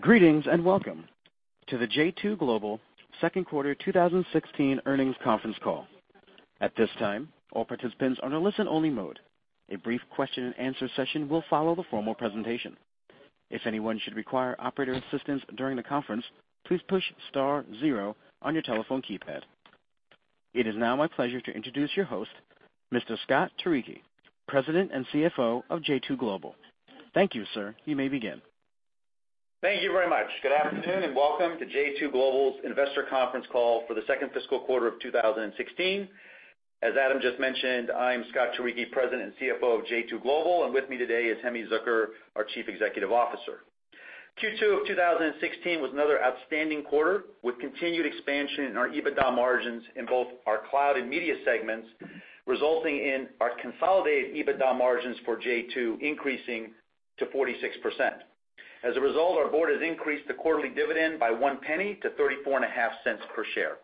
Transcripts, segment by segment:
Greetings, welcome to the j2 Global second quarter 2016 earnings conference call. At this time, all participants are in a listen-only mode. A brief question-and-answer session will follow the formal presentation. If anyone should require operator assistance during the conference, please push star 0 on your telephone keypad. It is now my pleasure to introduce your host, Mr. Scott Turicchi, President and CFO of j2 Global. Thank you, sir. You may begin. Thank you very much. Good afternoon, welcome to j2 Global's investor conference call for the second fiscal quarter of 2016. As Adam just mentioned, I'm Scott Turicchi, President and CFO of j2 Global, and with me today is Hemi Zucker, our Chief Executive Officer. Q2 of 2016 was another outstanding quarter, with continued expansion in our EBITDA margins in both our cloud and media segments, resulting in our consolidated EBITDA margins for j2 increasing to 46%. As a result, our board has increased the quarterly dividend by one penny to $0.345 per share.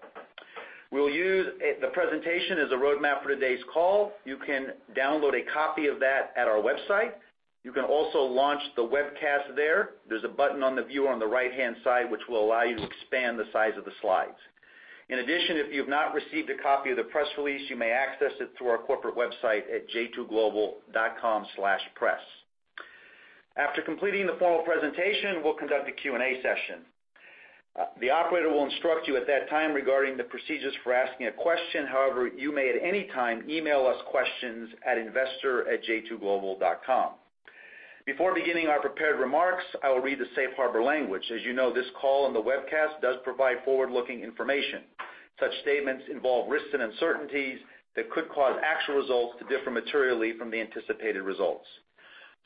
We'll use the presentation as a roadmap for today's call. You can download a copy of that at our website. You can also launch the webcast there. There's a button on the viewer on the right-hand side, which will allow you to expand the size of the slides. If you've not received a copy of the press release, you may access it through our corporate website at j2global.com/press. After completing the formal presentation, we'll conduct a Q&A session. The operator will instruct you at that time regarding the procedures for asking a question. However, you may, at any time, email us questions at investor@j2global.com. Before beginning our prepared remarks, I will read the safe harbor language. As you know, this call on the webcast does provide forward-looking information. Such statements involve risks and uncertainties that could cause actual results to differ materially from the anticipated results.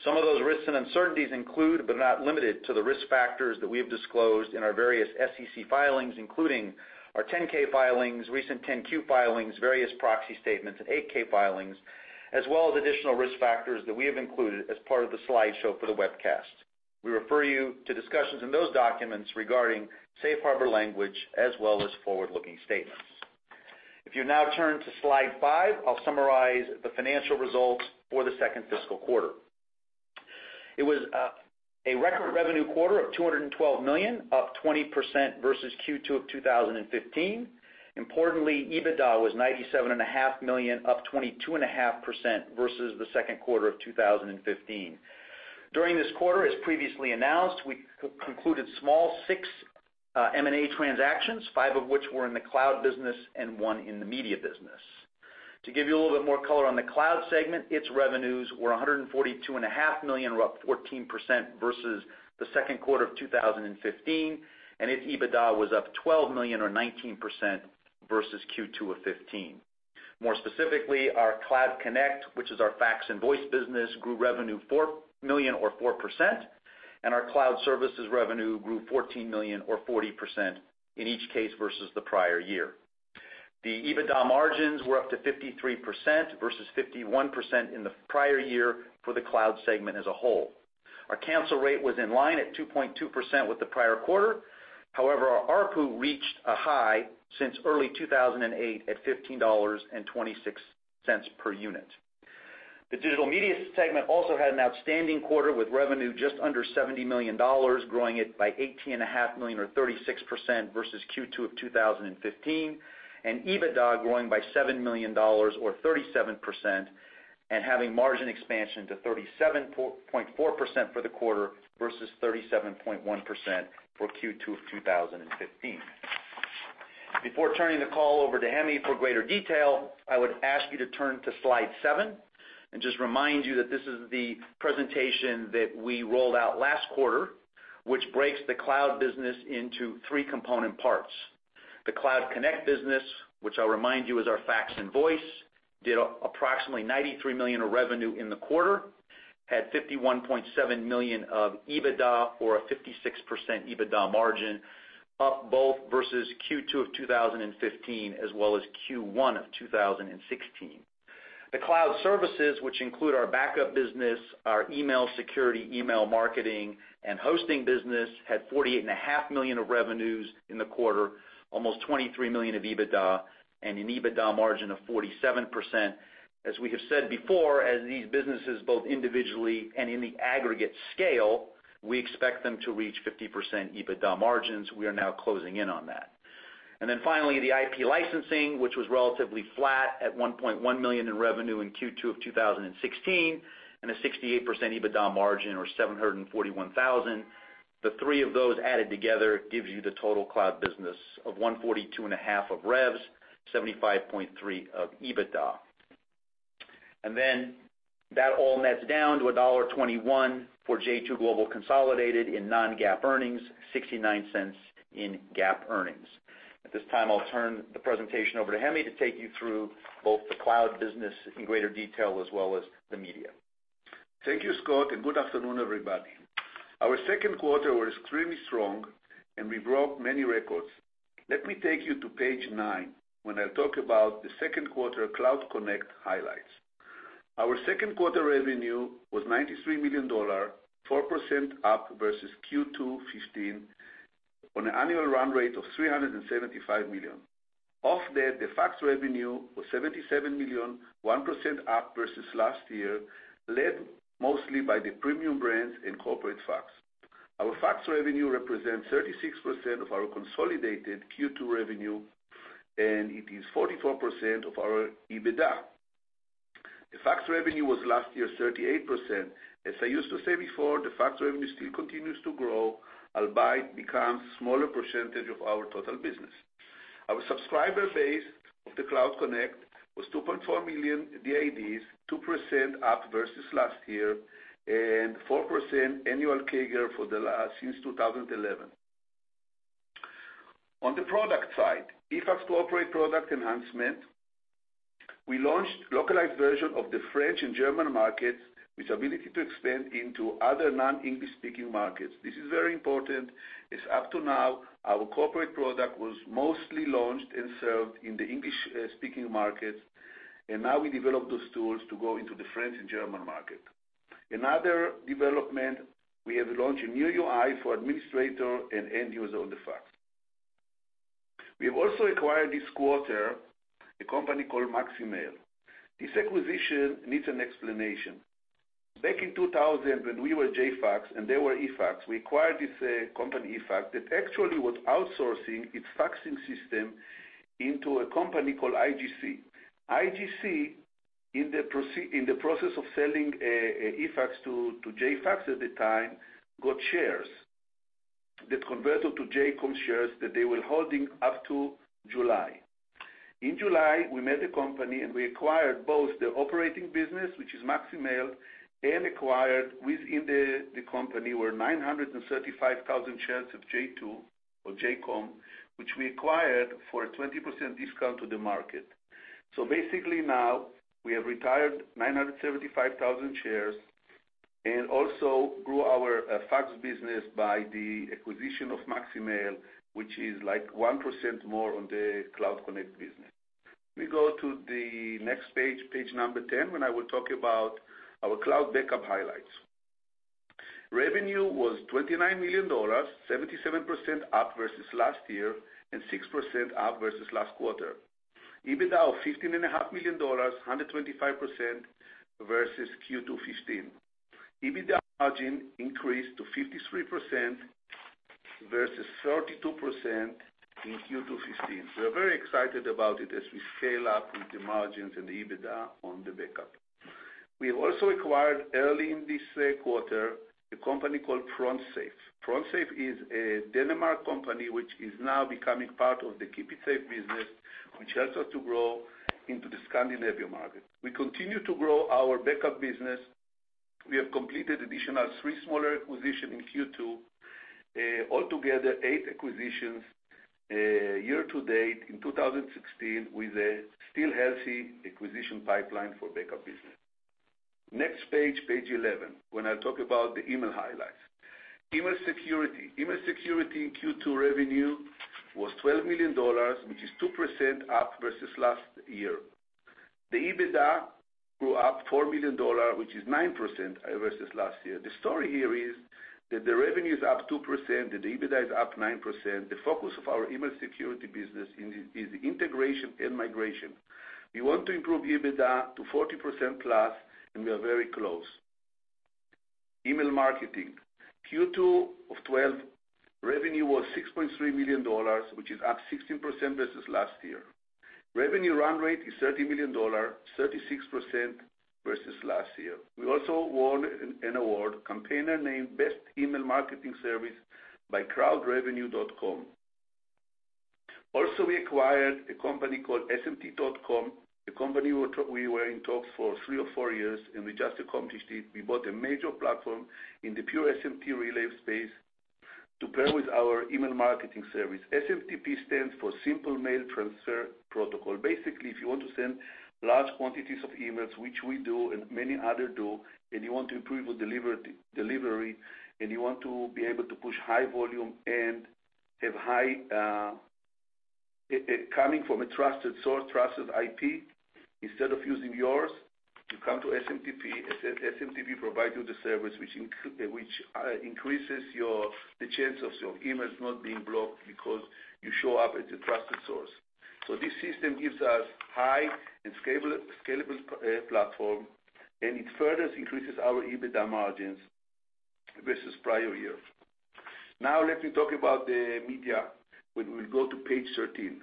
Some of those risks and uncertainties include, are not limited to, the risk factors that we have disclosed in our various SEC filings, including our 10-K filings, recent 10-Q filings, various proxy statements, and 8-K filings, as well as additional risk factors that we have included as part of the slideshow for the webcast. We refer you to discussions in those documents regarding safe harbor language, as well as forward-looking statements. If you now turn to slide five, I'll summarize the financial results for the second fiscal quarter. It was a record revenue quarter of $212 million, up 20% versus Q2 of 2015. Importantly, EBITDA was $97.5 million, up 22.5% versus the second quarter of 2015. During this quarter, as previously announced, we concluded small six M&A transactions, five of which were in the cloud business and one in the media business. To give you a little bit more color on the cloud segment, its revenues were $142.5 million, or up 14% versus the second quarter of 2015, and its EBITDA was up $12 million or 19% versus Q2 of 2015. More specifically, our Cloud Connect, which is our fax and voice business, grew revenue $4 million or 4%, and our cloud services revenue grew $14 million or 40% in each case versus the prior year. The EBITDA margins were up to 53% versus 51% in the prior year for the cloud segment as a whole. Our cancel rate was in line at 2.2% with the prior quarter. However, our ARPU reached a high since early 2008 at $15.26 per unit. The digital media segment also had an outstanding quarter, with revenue just under $70 million, growing it by $18.5 million or 36% versus Q2 of 2015, and EBITDA growing by $7 million or 37% and having margin expansion to 37.4% for the quarter versus 37.1% for Q2 of 2015. Before turning the call over to Hemi for greater detail, I would ask you to turn to slide seven and just remind you that this is the presentation that we rolled out last quarter, which breaks the cloud business into three component parts. The Cloud Connect business, which I'll remind you is our fax and voice, did approximately $93 million of revenue in the quarter, had $51.7 million of EBITDA or a 56% EBITDA margin, up both versus Q2 of 2015 as well as Q1 of 2016. The cloud services, which include our backup business, our email security, email marketing, and hosting business, had $48.5 million of revenues in the quarter, almost $23 million of EBITDA, and an EBITDA margin of 47%. As we have said before, as these businesses both individually and in the aggregate scale, we expect them to reach 50% EBITDA margins. We are now closing in on that. Finally, the IP licensing, which was relatively flat at $1.1 million in revenue in Q2 of 2016 and a 68% EBITDA margin or $741,000. The three of those added together gives you the total cloud business of $142.5 of revs, $75.3 of EBITDA. That all nets down to $1.21 for j2 Global consolidated in non-GAAP earnings, $0.69 in GAAP earnings. At this time, I'll turn the presentation over to Hemi to take you through both the cloud business in greater detail as well as the media. Thank you, Scott. Good afternoon, everybody. Our second quarter was extremely strong. We broke many records. Let me take you to page nine, when I talk about the second quarter Cloud Connect highlights. Our second quarter revenue was $93 million. 4% up versus Q2 2015, on an annual run rate of $375 million. Of that, the fax revenue was $77 million, 1% up versus last year, led mostly by the premium brands and corporate fax. Our fax revenue represents 36% of our consolidated Q2 revenue. It is 44% of our EBITDA. The fax revenue was last year 38%. As I used to say before, the fax revenue still continues to grow, albeit becomes smaller percentage of our total business. Our subscriber base of the Cloud Connect was 2.4 million DIDs, 2% up versus last year, 4% annual CAGR since 2011. On the product side, eFax Corporate product enhancement. We launched localized version of the French and German markets with ability to expand into other non-English speaking markets. This is very important, as up to now, our corporate product was mostly launched and served in the English speaking markets. Now we develop those tools to go into the French and German market. Another development, we have launched a new UI for administrator and end users on the fax. We have also acquired this quarter, a company called MaxiMail. This acquisition needs an explanation. Back in 2000, when we were JFax and they were eFax, we acquired this company, eFax, that actually was outsourcing its faxing system into a company called IGC. IGC, in the process of selling eFax to JFax at the time, got shares that converted to JCOM shares that they were holding up to July. In July, we met the company. We acquired both the operating business, which is MaxiMail, and acquired within the company were 935,000 shares of j2 or JCOM, which we acquired for a 20% discount to the market. Basically now, we have retired 975,000 shares. Also grew our fax business by the acquisition of MaxiMail, which is like 1% more on the Cloud Connect business. We go to the next page 10, when I will talk about our Cloud Backup highlights. Revenue was $29 million, 77% up versus last year, 6% up versus last quarter. EBITDA of $15.5 million, 125% versus Q2 2015. EBITDA margin increased to 53% versus 32% in Q2 2015. We're very excited about it as we scale up with the margins and EBITDA on the backup. We have also acquired early in this quarter, a company called FrontSafe. FrontSafe is a Danish company, which is now becoming part of the KeepItSafe business, which helps us to grow into the Scandinavian market. We continue to grow our backup business. We have completed additional three smaller acquisition in Q2, altogether eight acquisitions year to date in 2016 with a still healthy acquisition pipeline for backup business. Next page 11, when I talk about the email highlights. Email security. Email security Q2 revenue was $12 million, which is 2% up versus last year. The EBITDA grew up $4 million, which is 9% versus last year. The story here is that the revenue is up 2%, that the EBITDA is up 9%. The focus of our email security business is integration and migration. We want to improve EBITDA to 40% plus. We are very close. Email marketing. Q2 of 2012, revenue was $6.3 million, which is up 16% versus last year. Revenue run rate is $30 million, 36% versus last year. We also won an award, Campaigner Name Best Email Marketing Service by crowdreviews.com. We also acquired a company called SMTP.com, a company we were in talks for three or four years, and we just accomplished it. We bought a major platform in the pure SMTP relay space to pair with our email marketing service. SMTP stands for Simple Mail Transfer Protocol. Basically, if you want to send large quantities of emails, which we do and many other do, and you want to improve on delivery, and you want to be able to push high volume and have high, coming from a trusted source, trusted IP, instead of using yours, you come to SMTP. SMTP provide you the service which increases the chance of your emails not being blocked because you show up as a trusted source. This system gives us high and scalable platform, and it furthest increases our EBITDA margins versus prior year. Now let me talk about the media. We will go to page 13.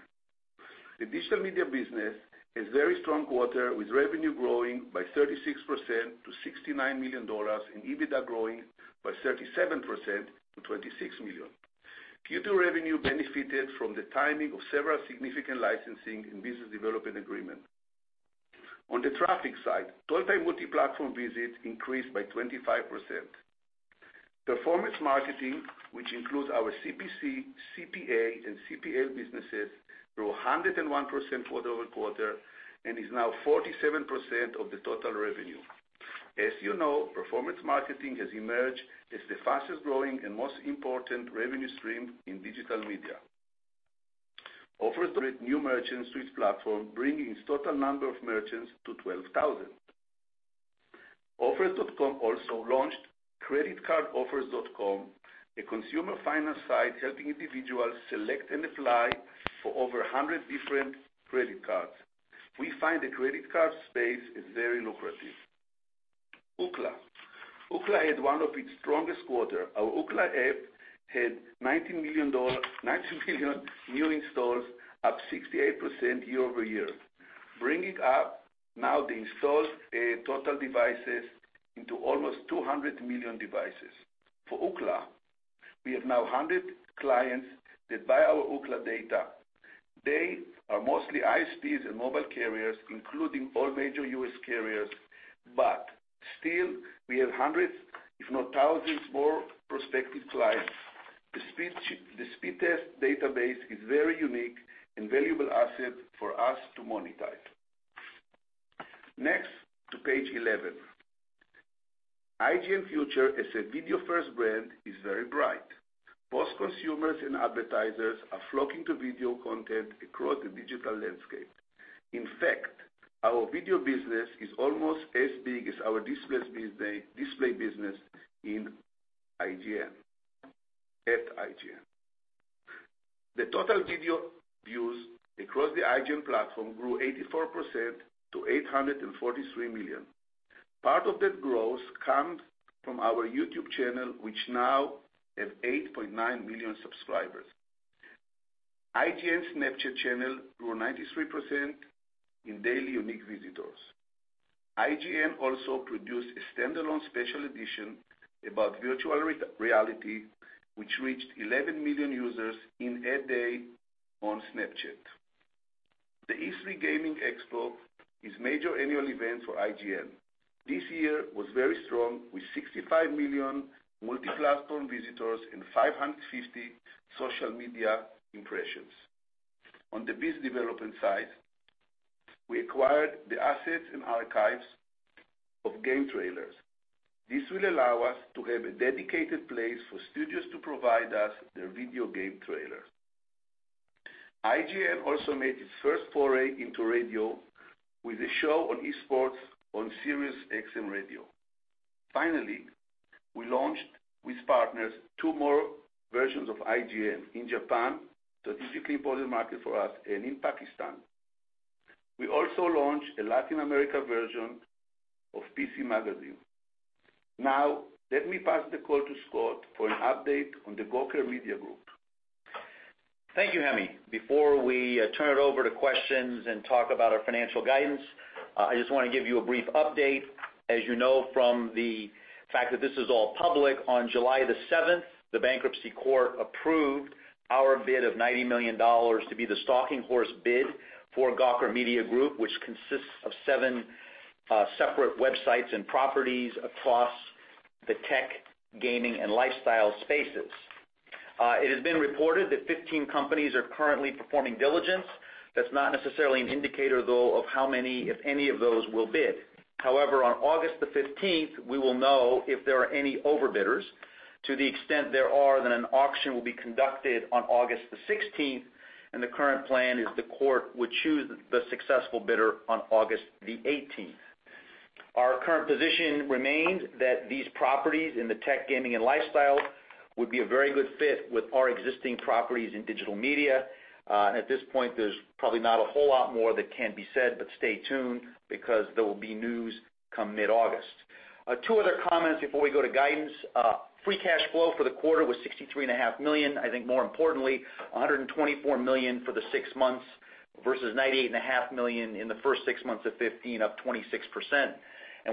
The digital media business is very strong quarter with revenue growing by 36% to $69 million and EBITDA growing by 37% to $26 million. Q2 revenue benefited from the timing of several significant licensing and business development agreement. On the traffic side, total multi-platform visits increased by 25%. Performance marketing, which includes our CPC, CPA, and CPL businesses, grew 101% quarter-over-quarter and is now 47% of the total revenue. As you know, performance marketing has emerged as the fastest growing and most important revenue stream in digital media. Offers brought new merchants to its platform, bringing its total number of merchants to 12,000. Offers.com also launched creditcardoffers.com, a consumer finance site helping individuals select and apply for over 100 different credit cards. We find the credit card space is very lucrative. Ookla. Ookla had one of its strongest quarter. Our Ookla app had 19 million new installs, up 68% year-over-year, bringing up now the installs total devices into almost 200 million devices. For Ookla, we have now 100 clients that buy our Ookla data. They are mostly ISPs and mobile carriers, including all major U.S. carriers. Still, we have hundreds, if not thousands, more prospective clients. The speed test database is very unique and valuable asset for us to monetize. Next to page 11. IGN future as a video-first brand is very bright. Most consumers and advertisers are flocking to video content across the digital landscape. In fact, our video business is almost as big as our display business at IGN. The total video views across the IGN platform grew 84% to 843 million. Part of that growth comes from our YouTube channel, which now have 8.9 million subscribers. IGN Snapchat channel grew 93% in daily unique visitors. IGN also produced a standalone special edition about virtual reality, which reached 11 million users in a day on Snapchat. The E3 Gaming Expo is major annual event for IGN. This year was very strong with 65 million multi-platform visitors and 550 social media impressions. On the biz development side, we acquired the assets and archives of GameTrailers. This will allow us to have a dedicated place for studios to provide us their video game trailers. IGN also made its first foray into radio with a show on esports on SiriusXM Radio. Finally, we launched with partners two more versions of IGN in Japan, statistically important market for us, and in Pakistan. We also launched a Latin America version of PC Magazine. Now, let me pass the call to Scott for an update on the Gawker Media Group. Thank you, Hemi. Before we turn it over to questions and talk about our financial guidance, I just want to give you a brief update. As you know from the fact that this is all public, on July the 7th, the bankruptcy court approved our bid of $90 million to be the stalking horse bid for Gawker Media Group, which consists of seven separate websites and properties across the tech, gaming, and lifestyle spaces. It has been reported that 15 companies are currently performing diligence. That's not necessarily an indicator, though, of how many, if any of those, will bid. However, on August the 15th, we will know if there are any overbidders. To the extent there are, an auction will be conducted on August the 16th, and the current plan is the court would choose the successful bidder on August the 18th. Our current position remains that these properties in the tech, gaming, and lifestyle would be a very good fit with our existing properties in digital media. At this point, there's probably not a whole lot more that can be said, but stay tuned because there will be news come mid-August. Two other comments before we go to guidance. Free cash flow for the quarter was $63.5 million. I think more importantly, $124 million for the six months versus $98.5 million in the first six months of 2015, up 26%.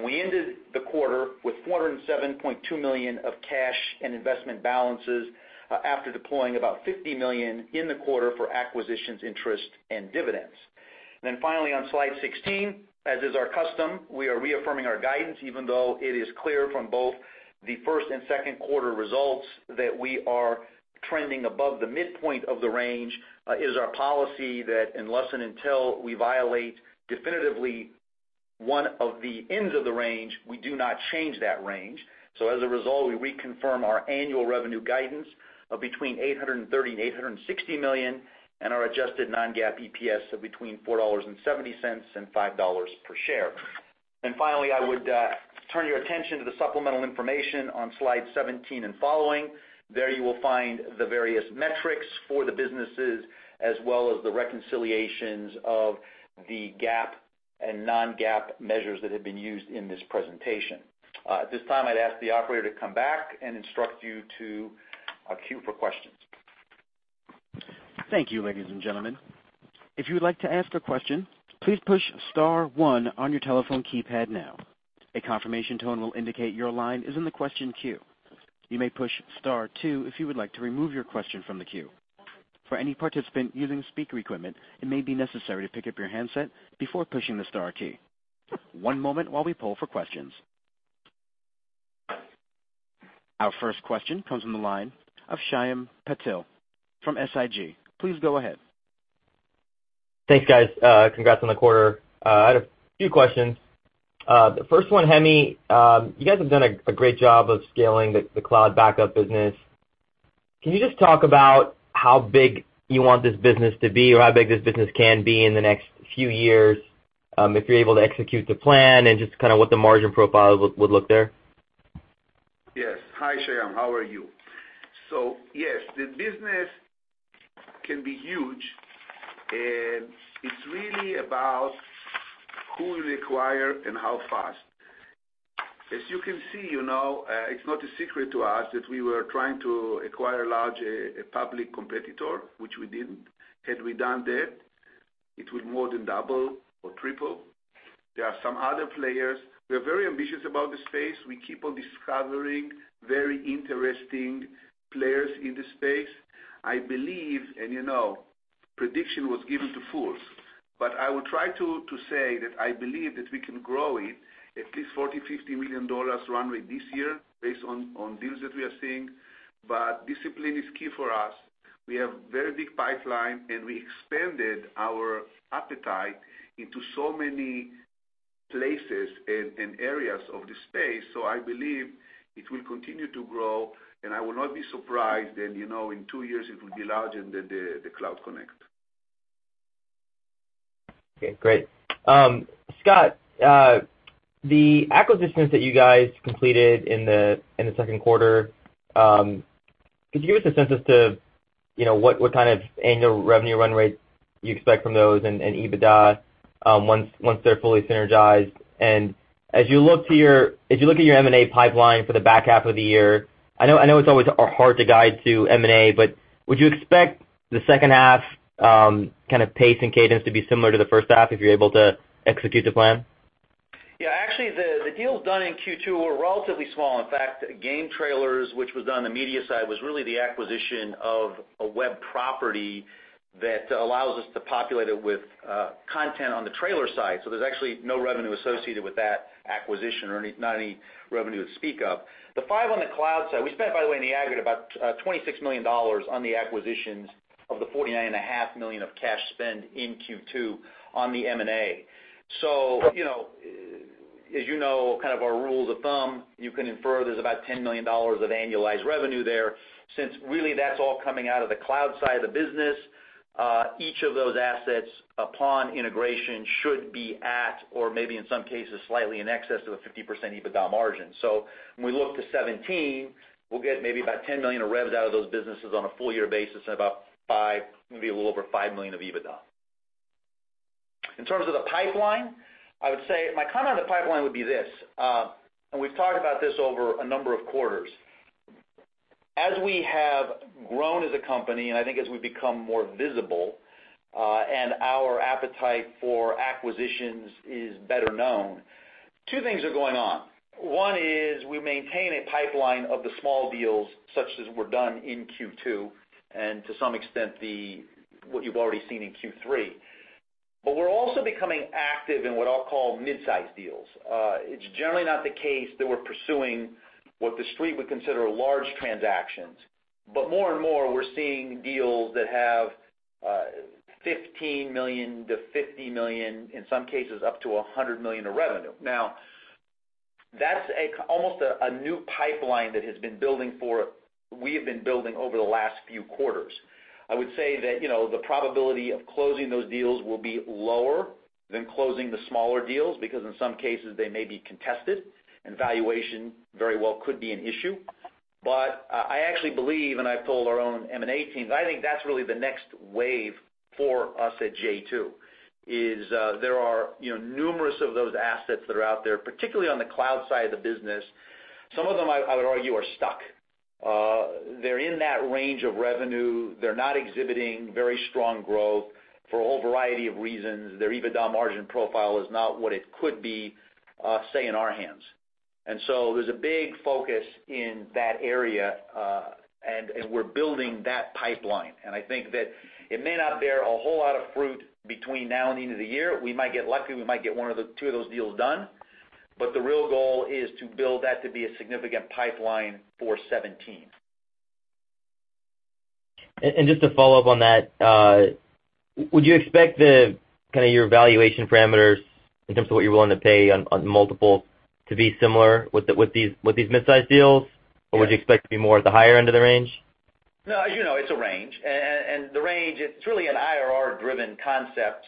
We ended the quarter with $407.2 million of cash and investment balances after deploying about $50 million in the quarter for acquisitions, interest, and dividends. Finally, on slide 16, as is our custom, we are reaffirming our guidance, even though it is clear from both the first and second quarter results that we are trending above the midpoint of the range. It is our policy that unless and until we violate definitively one of the ends of the range, we do not change that range. As a result, we reconfirm our annual revenue guidance of between $830 million and $860 million and our adjusted non-GAAP EPS of between $4.70 and $5 per share. Finally, I would turn your attention to the supplemental information on slide 17 and following. There you will find the various metrics for the businesses as well as the reconciliations of the GAAP and non-GAAP measures that have been used in this presentation. At this time, I'd ask the operator to come back and instruct you to queue for questions. Thank you, ladies and gentlemen. If you would like to ask a question, please push star one on your telephone keypad now. A confirmation tone will indicate your line is in the question queue. You may push star two if you would like to remove your question from the queue. For any participant using speaker equipment, it may be necessary to pick up your handset before pushing the star key. One moment while we poll for questions. Our first question comes from the line of Shyam Patil from SIG. Please go ahead. Thanks, guys. Congrats on the quarter. I had a few questions. The first one, Hemi, you guys have done a great job of scaling the cloud backup business. Can you just talk about how big you want this business to be, or how big this business can be in the next few years, if you're able to execute the plan and just what the margin profile would look there? Yes. Hi, Shyam. How are you? Yes, the business can be huge, and it's really about who you acquire and how fast. As you can see, it's not a secret to us that we were trying to acquire a large public competitor, which we didn't. Had we done that, it would more than double or triple. There are some other players. We are very ambitious about the space. We keep on discovering very interesting players in the space. I believe, and prediction was given to fools, but I will try to say that I believe that we can grow it at least $40 million, $50 million runway this year based on deals that we are seeing. Discipline is key for us. We have very big pipeline, and we expanded our appetite into so many places and areas of the space. I believe it will continue to grow, I will not be surprised in two years, it will be larger than the Cloud Connect. Okay, great. Scott, the acquisitions that you guys completed in the second quarter, could you give us a sense as to what kind of annual revenue run rate you expect from those and EBITDA, once they're fully synergized? As you look at your M&A pipeline for the back half of the year, I know it's always hard to guide to M&A, would you expect the second half pace and cadence to be similar to the first half if you're able to execute the plan? Yeah. Actually, the deals done in Q2 were relatively small. In fact, GameTrailers, which was done on the media side, was really the acquisition of a web property that allows us to populate it with content on the trailer side. There's actually no revenue associated with that acquisition, or not any revenue to speak of. The five on the cloud side, we spent, by the way, in the aggregate, about $26 million on the acquisitions of the $49.5 million of cash spend in Q2 on the M&A. As you know, kind of our rules of thumb, you can infer there's about $10 million of annualized revenue there, since really that's all coming out of the cloud side of the business. Each of those assets upon integration should be at, or maybe in some cases, slightly in excess of a 50% EBITDA margin. When we look to 2017, we'll get maybe about $10 million of revs out of those businesses on a full year basis, and about five, maybe a little over $5 million of EBITDA. In terms of the pipeline, my comment on the pipeline would be this. We've talked about this over a number of quarters. We have grown as a company, I think as we've become more visible, our appetite for acquisitions is better known, two things are going on. One is we maintain a pipeline of the small deals such as were done in Q2, and to some extent, what you've already seen in Q3. We're also becoming active in what I'll call midsize deals. It's generally not the case that we're pursuing what the Street would consider large transactions, more and more we're seeing deals that have $15 million-$50 million, in some cases up to $100 million of revenue. That's almost a new pipeline that we have been building over the last few quarters. I would say that the probability of closing those deals will be lower than closing the smaller deals, because in some cases, they may be contested, and valuation very well could be an issue. I actually believe, I polled our own M&A team, I think that's really the next wave for us at j2, is there are numerous of those assets that are out there, particularly on the cloud side of the business. Some of them, I would argue, are stuck. They're in that range of revenue. They're not exhibiting very strong growth for a whole variety of reasons. Their EBITDA margin profile is not what it could be, say, in our hands. So there's a big focus in that area, and we're building that pipeline. I think that it may not bear a whole lot of fruit between now and the end of the year. We might get lucky. We might get one or two of those deals done. The real goal is to build that to be a significant pipeline for 2017. Just to follow up on that, would you expect your valuation parameters in terms of what you're willing to pay on multiple to be similar with these midsize deals? Yeah. Would you expect to be more at the higher end of the range? No. As you know, it's a range, and the range, it's really an IRR driven concept.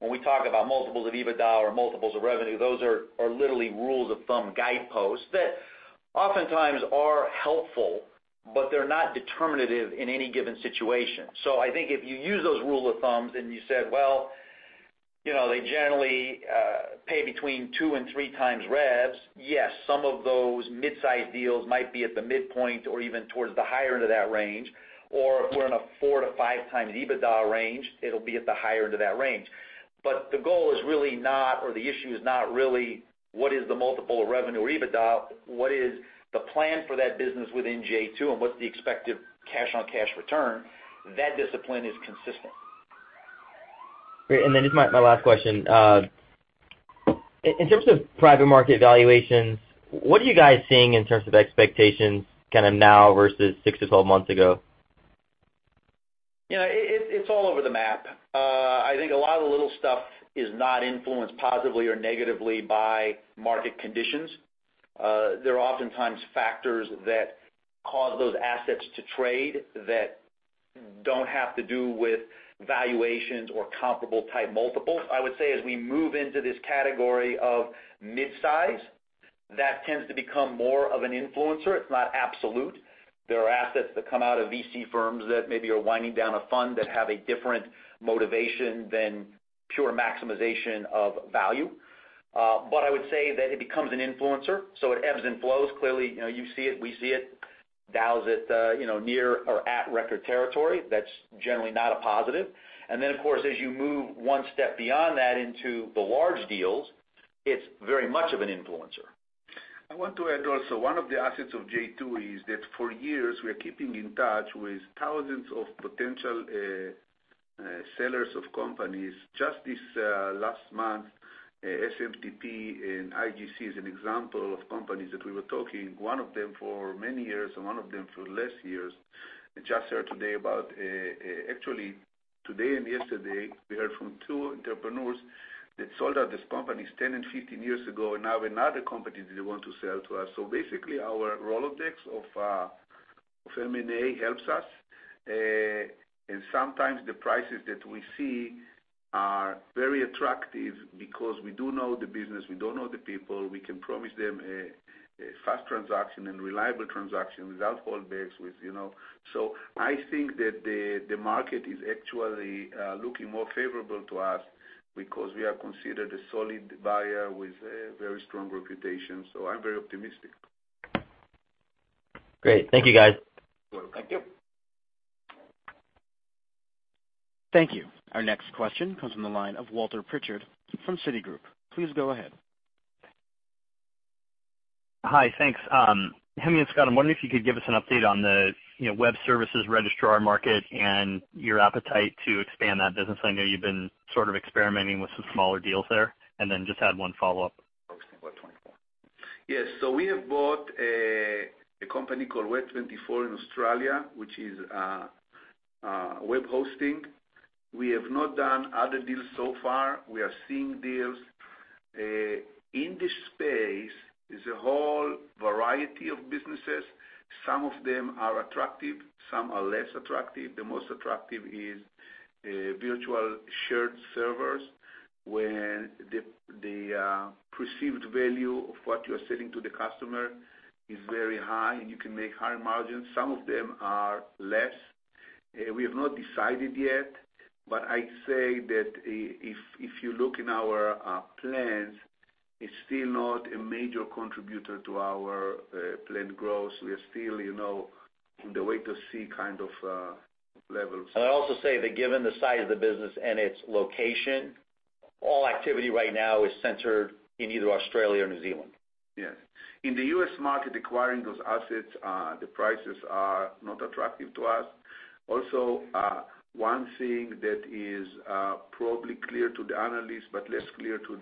When we talk about multiples of EBITDA or multiples of revenue, those are literally rules of thumb guideposts that oftentimes are helpful, but they're not determinative in any given situation. I think if you use those rules of thumbs and you said, "Well, they generally pay between two and three times revs," yes, some of those midsize deals might be at the midpoint or even towards the higher end of that range, or if we're in a four to five times EBITDA range, it'll be at the higher end of that range. The goal is really not, or the issue is not really what is the multiple of revenue or EBITDA, what is the plan for that business within j2, and what's the expected cash on cash return. That discipline is consistent. Great. Just my last question. In terms of private market valuations, what are you guys seeing in terms of expectations now versus 6 to 12 months ago? It's all over the map. I think a lot of the little stuff is not influenced positively or negatively by market conditions. There are oftentimes factors that cause those assets to trade that don't have to do with valuations or comparable-type multiples. I would say, as we move into this category of mid-size, that tends to become more of an influencer. It's not absolute. There are assets that come out of VC firms that maybe are winding down a fund that have a different motivation than pure maximization of value. I would say that it becomes an influencer, so it ebbs and flows. Clearly, you see it, we see it. Dow's at near or at record territory. That's generally not a positive. Of course, as you move one step beyond that into the large deals, it's very much of an influencer. I want to add also, one of the assets of j2 is that for years, we're keeping in touch with thousands of potential sellers of companies. Just this last month, SMTP and IGC is an example of companies that we were talking, one of them for many years and one of them for less years. Just heard today about, actually today and yesterday, we heard from two entrepreneurs that sold us these companies 10 and 15 years ago, and now they have another company that they want to sell to us. Our Rolodex of M&A helps us. Sometimes the prices that we see are very attractive because we do know the business, we do know the people, we can promise them a fast transaction and reliable transaction without holdbacks. I think that the market is actually looking more favorable to us because we are considered a solid buyer with a very strong reputation. I'm very optimistic. Great. Thank you, guys. You're welcome. Thank you. Thank you. Our next question comes from the line of Walter Pritchard from Citigroup. Please go ahead. Hi. Thanks. Hemi and Scott, I'm wondering if you could give us an update on the web services registrar market and your appetite to expand that business. I know you've been sort of experimenting with some smaller deals there. Then just had one follow-up. Yes. We have bought a company called Web24 in Australia, which is web hosting. We have not done other deals so far. We are seeing deals. In this space is a whole variety of businesses. Some of them are attractive, some are less attractive. The most attractive is virtual shared servers, where the perceived value of what you're selling to the customer is very high, and you can make higher margins. Some of them are less. We have not decided yet, but I say that if you look in our plans, it's still not a major contributor to our planned growth. We are still in the wait-to-see kind of levels. I'd also say that given the size of the business and its location, all activity right now is centered in either Australia or New Zealand. Yes. In the U.S. market, acquiring those assets, the prices are not attractive to us. Also, one thing that is probably clear to the analysts, but less clear to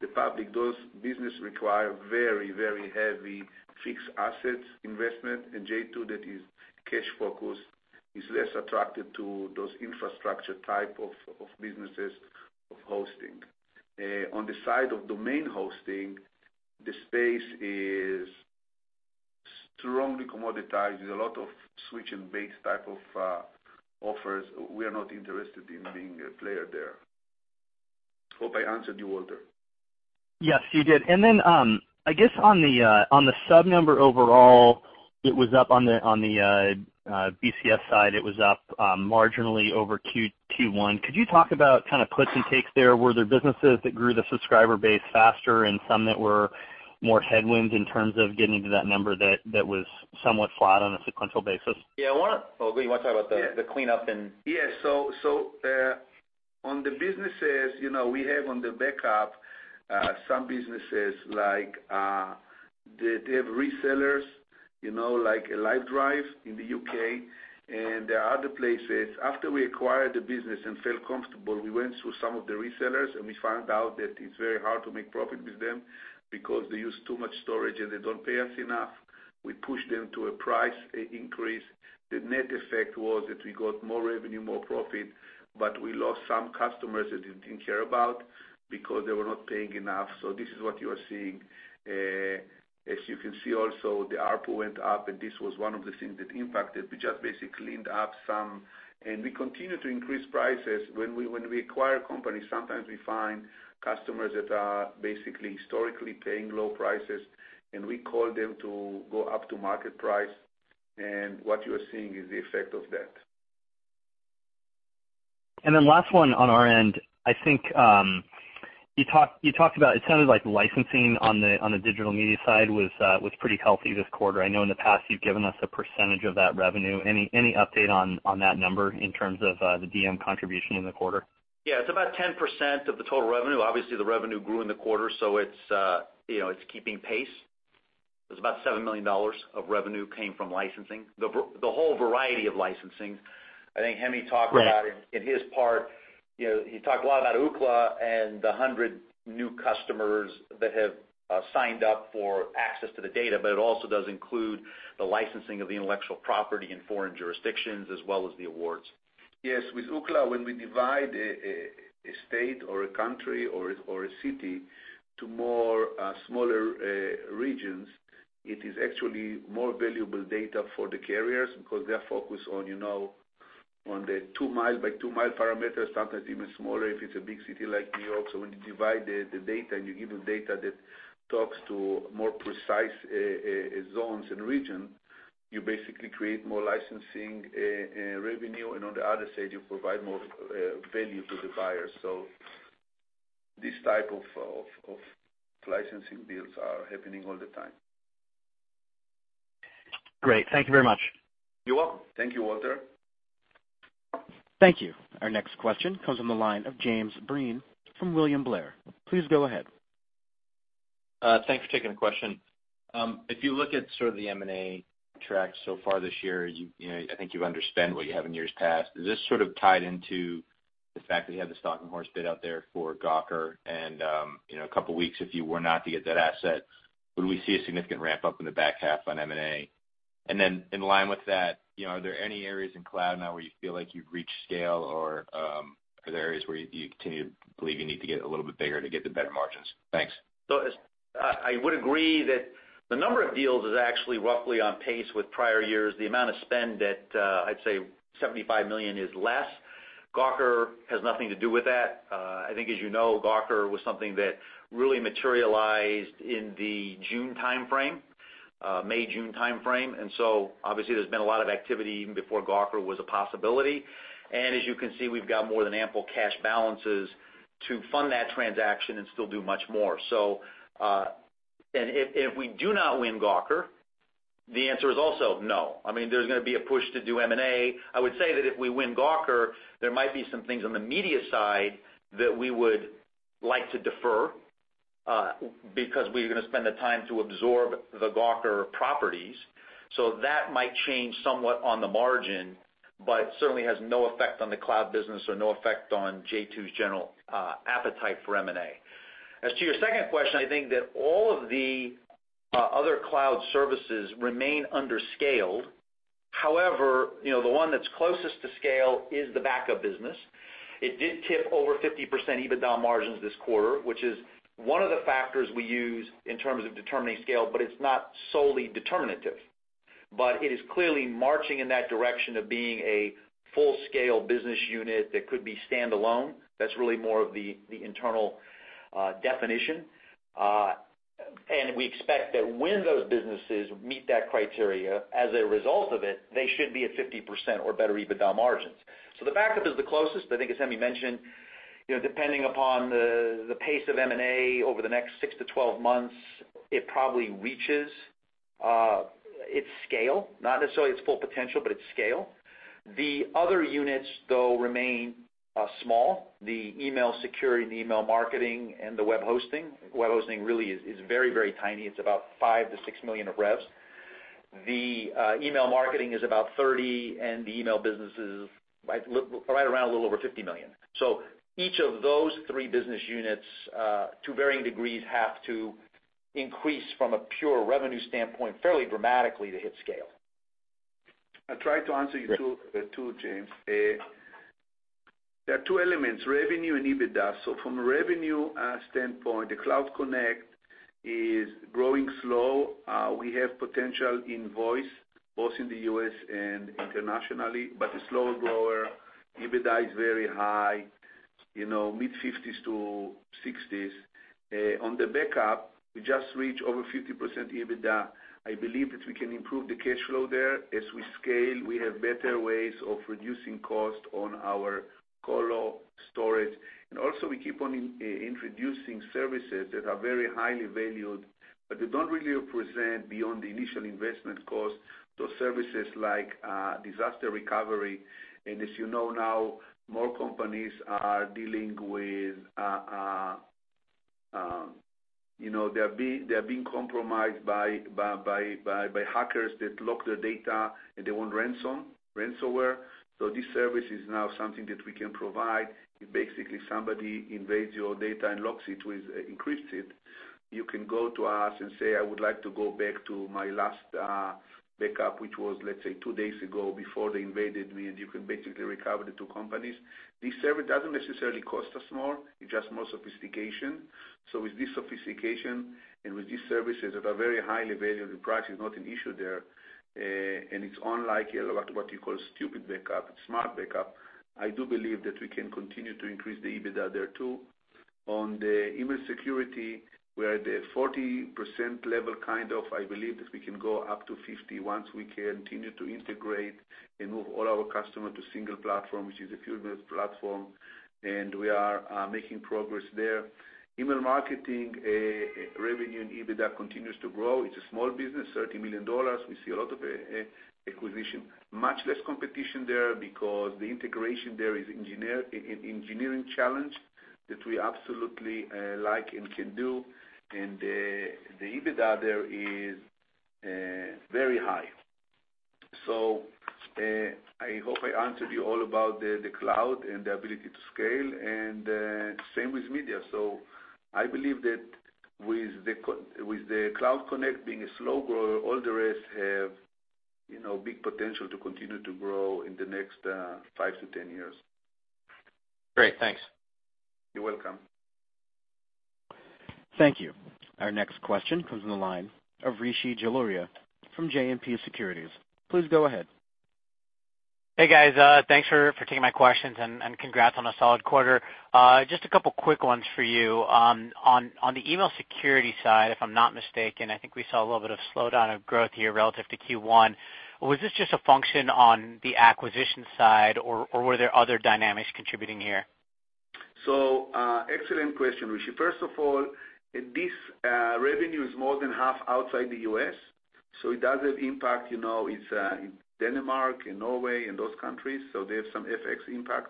the public, those business require very, very heavy fixed assets investment. j2 that is cash-focused, is less attracted to those infrastructure type of businesses of hosting. On the side of domain hosting, the space is strongly commoditized. There's a lot of switch and base type of offers. We are not interested in being a player there. Hope I answered you, Walter. Yes, you did. I guess on the sub number overall, it was up on the BCS side. It was up marginally over Q1. Could you talk about kind of puts and takes there? Were there businesses that grew the subscriber base faster and some that were more headwinds in terms of getting to that number that was somewhat flat on a sequential basis? Yeah. You want to talk about the cleanup? Yes. On the businesses, we have on the backup, some businesses like, they have resellers, like Livedrive in the U.K., and there are other places. After we acquired the business and felt comfortable, we went through some of the resellers, and we found out that it's very hard to make profit with them because they use too much storage, and they don't pay us enough. We pushed them to a price increase. The net effect was that we got more revenue, more profit, but we lost some customers that we didn't care about because they were not paying enough. This is what you are seeing. As you can see also, the ARPU went up, and this was one of the things that impacted. We just basically cleaned up some, and we continue to increase prices. When we acquire companies, sometimes we find customers that are basically historically paying low prices, and we call them to go up to market price, and what you're seeing is the effect of that. Last one on our end, I think, you talked about, it sounded like licensing on the digital media side was pretty healthy this quarter. I know in the past you've given us a percentage of that revenue. Any update on that number in terms of the DM contribution in the quarter? Yeah. It's about 10% of the total revenue. Obviously, the revenue grew in the quarter, so it's keeping pace. It was about $7 million of revenue came from licensing, the whole variety of licensing. I think Hemi talked about it in his part. He talked a lot about Ookla and the 100 new customers that have signed up for access to the data, but it also does include the licensing of the intellectual property in foreign jurisdictions, as well as the awards. Yes. With Ookla, when we divide a state or a country or a city to more smaller regions, it is actually more valuable data for the carriers because they're focused on the two mile by two mile parameter, sometimes even smaller if it's a big city like New York. When you divide the data and you give them data that talks to more precise zones and region, you basically create more licensing revenue, and on the other side, you provide more value to the buyer. This type of licensing deals are happening all the time. Great. Thank you very much. You're welcome. Thank you, Walter. Thank you. Our next question comes from the line of James Breen from William Blair. Please go ahead. Thanks for taking the question. If you look at sort of the M&A track so far this year, I think you've underspent what you have in years past. Is this sort of tied into the fact that you have the stalking horse bid out there for Gawker and, a couple of weeks, if you were not to get that asset, would we see a significant ramp-up in the back half on M&A? Then in line with that, are there any areas in cloud now where you feel like you've reached scale or are there areas where you continue to believe you need to get a little bit bigger to get the better margins? Thanks. I would agree that the number of deals is actually roughly on pace with prior years. The amount of spend that I'd say, $75 million is less. Gawker has nothing to do with that. I think as you know, Gawker was something that really materialized in the June timeframe, May, June timeframe. Obviously there's been a lot of activity even before Gawker was a possibility. As you can see, we've got more than ample cash balances to fund that transaction and still do much more. If we do not win Gawker, the answer is also no. There's going to be a push to do M&A. I would say that if we win Gawker, there might be some things on the media side that we would like to defer, because we're going to spend the time to absorb the Gawker properties. That might change somewhat on the margin, but certainly has no effect on the cloud business or no effect on j2's general appetite for M&A. As to your second question, I think that all of the other cloud services remain under scaled. The one that's closest to scale is the backup business. It did tip over 50% EBITDA margins this quarter, which is one of the factors we use in terms of determining scale, but it's not solely determinative. It is clearly marching in that direction of being a full-scale business unit that could be standalone. That's really more of the internal definition. We expect that when those businesses meet that criteria as a result of it, they should be at 50% or better EBITDA margins. The backup is the closest, but I think as Hemi mentioned, depending upon the pace of M&A over the next 6 to 12 months, it probably reaches its scale, not necessarily its full potential, but its scale. The other units, though, remain small. The email security and the email marketing and the web hosting. Web hosting really is very, very tiny. It's about $5 million-$6 million of revs. The email marketing is about $30 million, and the email business is right around a little over $50 million. Each of those three business units, to varying degrees, have to increase from a pure revenue standpoint fairly dramatically to hit scale. I'll try to answer you too, James. There are two elements, revenue and EBITDA. From a revenue standpoint, the Cloud Connect is growing slow. We have potential in voice, both in the U.S. and internationally, but it's slow grower. EBITDA is very high, mid-50s% to 60s%. On the backup, we just reached over 50% EBITDA. I believe that we can improve the cash flow there. As we scale, we have better ways of reducing cost on our colo storage. Also we keep on introducing services that are very highly valued, but they don't really represent beyond the initial investment cost to services like disaster recovery. As you know now, more companies are being compromised by hackers that lock their data, and they want ransomware. This service is now something that we can provide. Basically, somebody invades your data and locks it with encrypted, you can go to us and say, "I would like to go back to my last backup," which was, let's say, two days ago before they invaded me, and you can basically recover the two companies. This service doesn't necessarily cost us more, it's just more sophistication. With this sophistication and with these services that are very highly valued, and price is not an issue there, and it's unlike a lot of what you call stupid backup. It's smart backup. I do believe that we can continue to increase the EBITDA there, too. On the email security, we are at the 40% level, kind of. I believe that we can go up to 50 once we continue to integrate and move all our customer to single platform, which is a FuseMail platform. We are making progress there. Email marketing revenue and EBITDA continues to grow. It's a small business, $30 million. We see a lot of acquisition, much less competition there because the integration there is engineering challenge that we absolutely like and can do. The EBITDA there is very high. I hope I answered you all about the cloud and the ability to scale, and same with media. I believe that with the Cloud Connect being a slow grower, all the rest have big potential to continue to grow in the next 5 to 10 years. Great. Thanks. You're welcome. Thank you. Our next question comes from the line of Rishi Jaluria from JMP Securities. Please go ahead. Hey, guys. Thanks for taking my questions, and congrats on a solid quarter. Just a couple quick ones for you. On the email security side, if I'm not mistaken, I think we saw a little bit of slowdown of growth here relative to Q1. Was this just a function on the acquisition side, or were there other dynamics contributing here? Excellent question, Rishi. First of all, this revenue is more than half outside the U.S., so it does have impact, it's in Denmark, in Norway, in those countries, so they have some FX impact.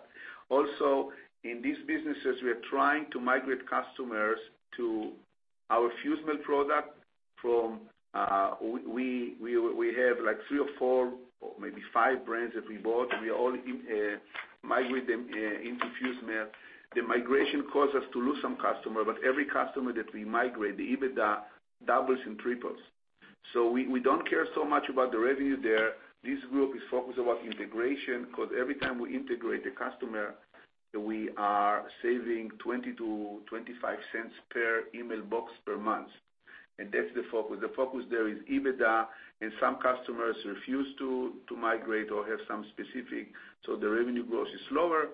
Also, in these businesses, we are trying to migrate customers to our FuseMail product from, we have three or four or maybe five brands that we bought, and we migrate them into FuseMail. The migration caused us to lose some customer, but every customer that we migrate, the EBITDA doubles and triples. We don't care so much about the revenue there. This group is focused about integration, because every time we integrate a customer, we are saving $0.20-$0.25 per email box per month, and that's the focus. The focus there is EBITDA, and some customers refuse to migrate or have some specific, so the revenue growth is slower,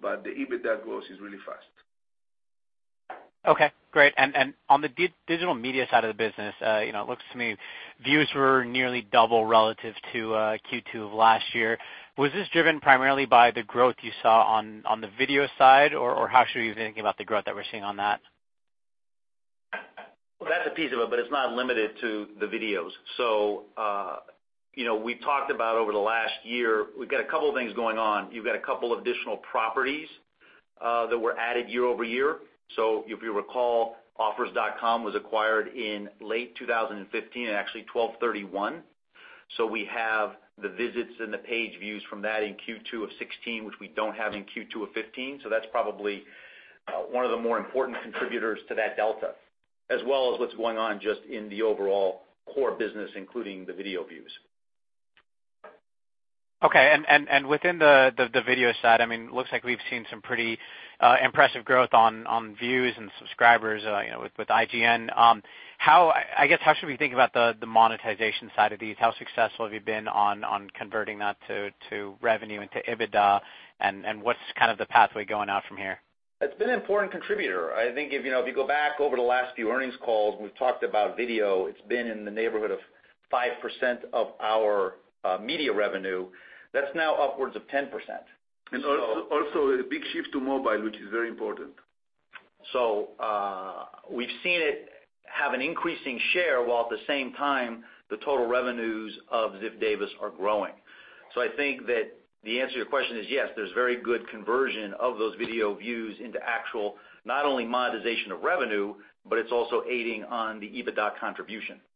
but the EBITDA growth is really fast. Okay. Great. On the digital media side of the business, it looks to me views were nearly double relative to Q2 of last year. Was this driven primarily by the growth you saw on the video side, or how should we be thinking about the growth that we're seeing on that? Well, that's a piece of it, but it's not limited to the videos. We talked about over the last year, we've got a couple of things going on. You've got a couple additional properties that were added year-over-year. If you recall, offers.com was acquired in late 2015, actually 12/31. We have the visits and the page views from that in Q2 of '16, which we don't have in Q2 of '15. That's probably one of the more important contributors to that delta, as well as what's going on just in the overall core business, including the video views. Okay. Within the video side, it looks like we've seen some pretty impressive growth on views and subscribers with IGN. I guess, how should we think about the monetization side of these? How successful have you been on converting that to revenue, into EBITDA, and what's kind of the pathway going out from here? It's been an important contributor. I think if you go back over the last few earnings calls, we've talked about video, it's been in the neighborhood of 5% of our media revenue. That's now upwards of 10%. Also a big shift to mobile, which is very important. We've seen it have an increasing share, while at the same time the total revenues of Ziff Davis are growing. I think that the answer to your question is yes, there's very good conversion of those video views into actual, not only monetization of revenue, but it's also aiding on the EBITDA contribution. Got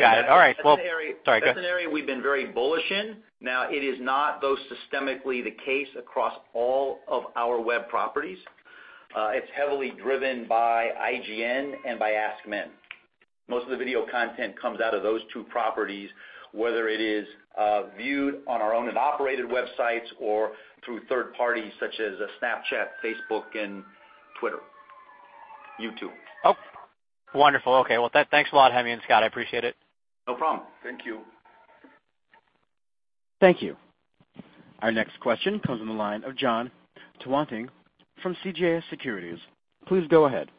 it. All right. Sorry, go ahead. That's an area we've been very bullish in. It is not, though, systemically the case across all of our web properties. It's heavily driven by IGN and by AskMen. Most of the video content comes out of those two properties, whether it is viewed on our own and operated websites or through third parties such as Snapchat, Facebook, and Twitter, YouTube. Oh, wonderful. Okay. Well, thanks a lot, Hemi and Scott. I appreciate it. No problem. Thank you. Thank you. Our next question comes from the line of Jon Tanwanteng from CJS Securities. Please go ahead.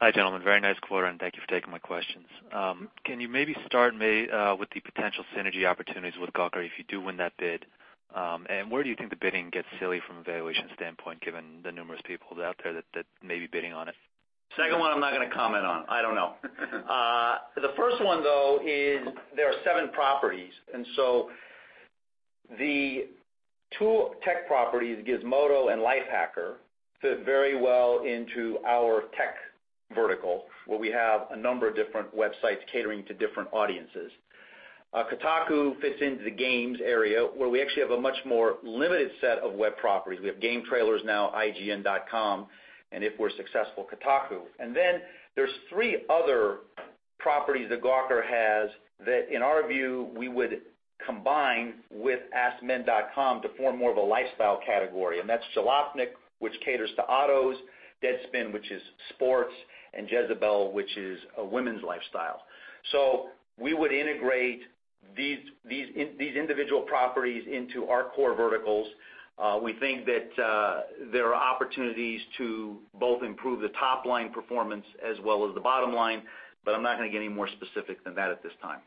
Hi, gentlemen. Very nice quarter. Thank you for taking my questions. Can you maybe start me with the potential synergy opportunities with Gawker if you do win that bid? Where do you think the bidding gets silly from a valuation standpoint, given the numerous people out there that may be bidding on it? Second one I'm not going to comment on. I don't know. The first one, though, is there are seven properties. The two tech properties, Gizmodo and Lifehacker, fit very well into our tech vertical, where we have a number of different websites catering to different audiences. Kotaku fits into the games area, where we actually have a much more limited set of web properties. We have GameTrailers now, ign.com, and if we're successful, Kotaku. There's three other properties that Gawker has that, in our view, we would combine with askmen.com to form more of a lifestyle category, and that's Jalopnik, which caters to autos, Deadspin, which is sports, and Jezebel, which is a women's lifestyle. We would integrate these individual properties into our core verticals. We think that there are opportunities to both improve the top-line performance as well as the bottom line, I'm not going to get any more specific than that at this time.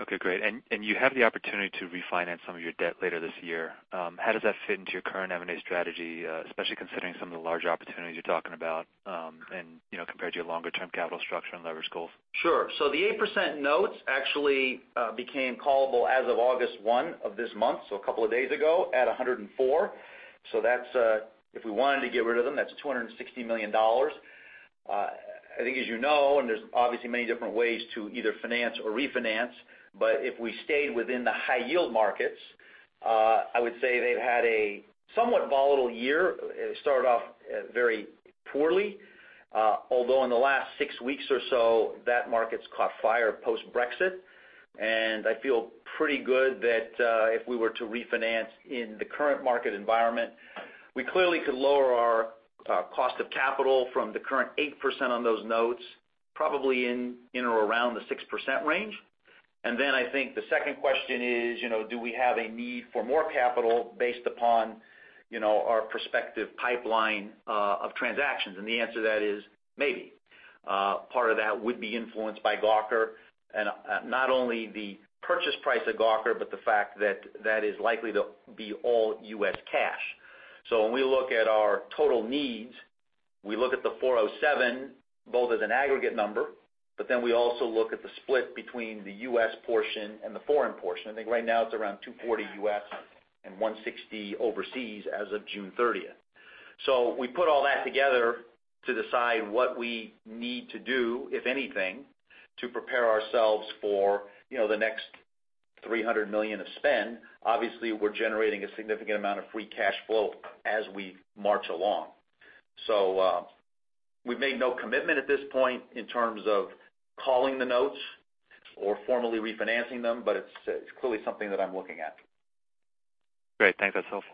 Okay, great. You have the opportunity to refinance some of your debt later this year. How does that fit into your current M&A strategy, especially considering some of the larger opportunities you're talking about, and compared to your longer-term capital structure and leverage goals? Sure. The 8% notes actually became callable as of August 1 of this month, a couple of days ago, at 104. If we wanted to get rid of them, that's $260 million. I think as you know, there's obviously many different ways to either finance or refinance, if we stayed within the high-yield markets, I would say they've had a somewhat volatile year. It started off very poorly. Although in the last six weeks or so, that market's caught fire post-Brexit, I feel pretty good that, if we were to refinance in the current market environment, we clearly could lower our cost of capital from the current 8% on those notes, probably in or around the 6% range. Then I think the second question is, do we have a need for more capital based upon our prospective pipeline of transactions? The answer to that is maybe. Part of that would be influenced by Gawker, and not only the purchase price of Gawker, but the fact that is likely to be all U.S. cash. When we look at our total needs, we look at the $407, both as an aggregate number, but then we also look at the split between the U.S. portion and the foreign portion. I think right now it's around $240 U.S. and $160 overseas as of June 30th. We put all that together to decide what we need to do, if anything, to prepare ourselves for the next $300 million of spend. Obviously, we're generating a significant amount of free cash flow as we march along. We've made no commitment at this point in terms of calling the notes or formally refinancing them, but it's clearly something that I'm looking at. Great. Thanks. That's helpful.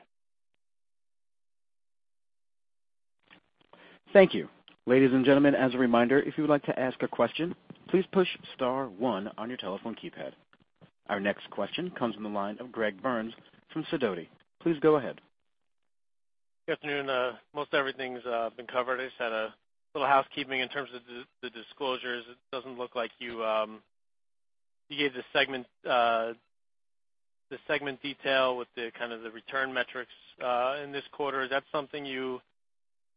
Thank you. Ladies and gentlemen, as a reminder, if you would like to ask a question, please push star one on your telephone keypad. Our next question comes from the line of Greg Burns from Sidoti. Please go ahead. Good afternoon. Most everything's been covered. I just had a little housekeeping in terms of the disclosures. It doesn't look like you gave the segment detail with the return metrics in this quarter. Is that something you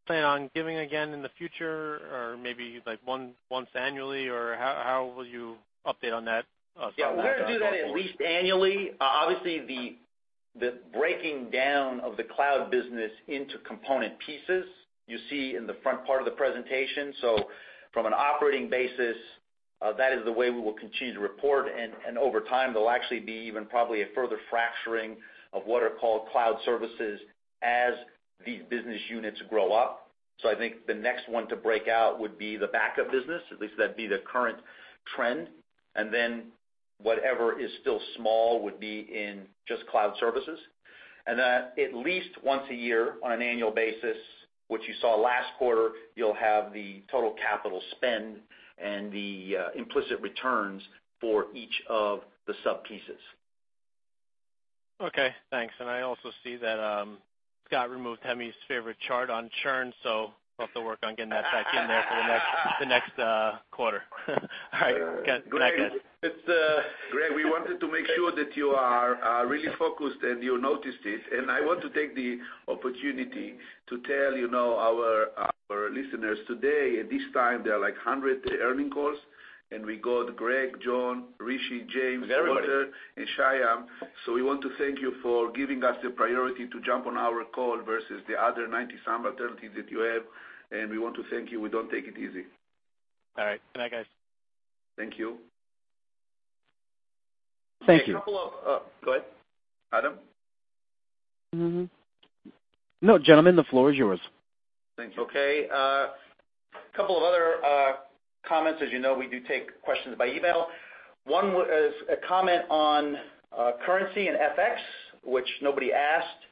plan on giving again in the future? Or maybe once annually? Or how will you update on that going forward? Yeah. We're going to do that at least annually. Obviously, the breaking down of the cloud business into component pieces, you see in the front part of the presentation. From an operating basis, that is the way we will continue to report, and over time, there'll actually be even probably a further fracturing of what are called cloud services as these business units grow up. I think the next one to break out would be the backup business. At least that'd be the current trend. Whatever is still small would be in just cloud services. That at least once a year, on an annual basis, what you saw last quarter, you'll have the total capital spend and the implicit returns for each of the sub-pieces. Okay, thanks. I also see that Scott removed Hemi's favorite chart on churn, so we'll have to work on getting that back in there for the next quarter. All right. Good night, guys. Greg, we wanted to make sure that you are really focused and you noticed it, and I want to take the opportunity to tell our listeners today, at this time, there are like 100 earnings calls, and we got Greg, Jon, Rishi, James. Everybody. Walter and Shyam. We want to thank you for giving us the priority to jump on our call versus the other 90 some alternatives that you have. We want to thank you. We don't take it easy. All right. Good night, guys. Thank you. Thank you. Go ahead, Adam. No. Gentlemen, the floor is yours. Thank you. Okay. A couple of other comments. As you know, we do take questions by email. One is a comment on currency and FX, which nobody asked.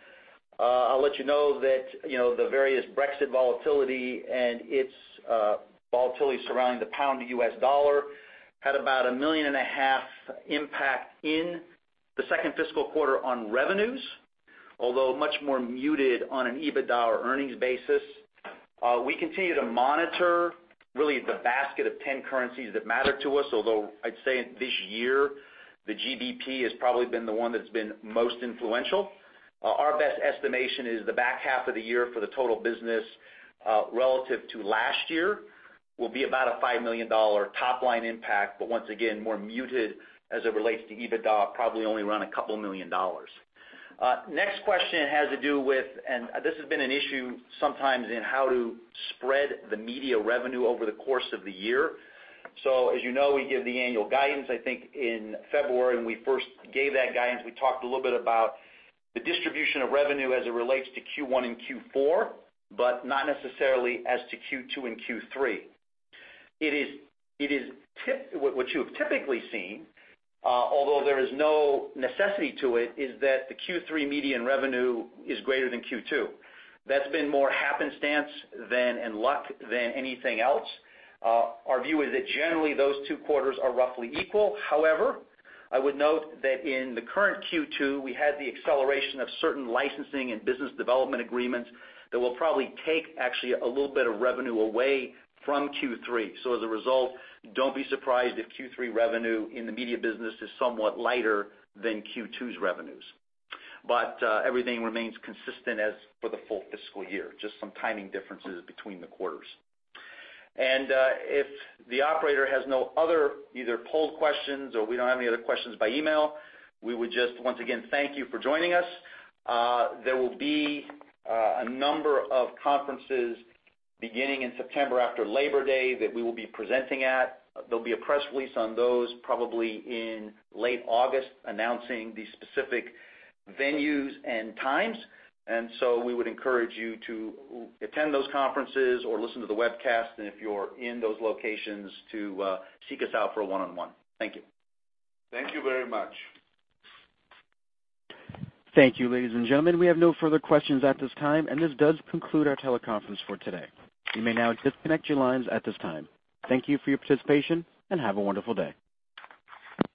I'll let you know that the various Brexit volatility and its volatility surrounding the pound to US dollar had about a million and a half impact in the second fiscal quarter on revenues, although much more muted on an EBITDA or earnings basis. We continue to monitor really the basket of 10 currencies that matter to us, although I'd say this year, the GBP has probably been the one that's been most influential. Our best estimation is the back half of the year for the total business, relative to last year, will be about a $5 million top-line impact, but once again, more muted as it relates to EBITDA, probably only around a couple million dollars. Next question has to do with, this has been an issue sometimes in how to spread the media revenue over the course of the year. As you know, we give the annual guidance, I think in February when we first gave that guidance, we talked a little bit about the distribution of revenue as it relates to Q1 and Q4, but not necessarily as to Q2 and Q3. What you have typically seen, although there is no necessity to it, is that the Q3 media revenue is greater than Q2. That's been more happenstance and luck than anything else. Our view is that generally those two quarters are roughly equal. However, I would note that in the current Q2, we had the acceleration of certain licensing and business development agreements that will probably take actually a little bit of revenue away from Q3. As a result, don't be surprised if Q3 revenue in the media business is somewhat lighter than Q2's revenues. Everything remains consistent as for the full fiscal year, just some timing differences between the quarters. If the operator has no other either polled questions or we don't have any other questions by email, we would just once again thank you for joining us. There will be a number of conferences beginning in September after Labor Day that we will be presenting at. There'll be a press release on those probably in late August announcing the specific venues and times. We would encourage you to attend those conferences or listen to the webcast, and if you're in those locations, to seek us out for a one-on-one. Thank you. Thank you very much. Thank you, ladies and gentlemen. We have no further questions at this time, this does conclude our teleconference for today. You may now disconnect your lines at this time. Thank you for your participation, have a wonderful day.